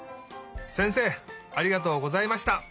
せんせいありがとうございました。